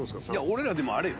俺らでもあれよ。